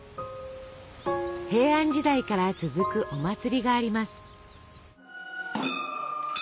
平安時代から続くお祭りがあります。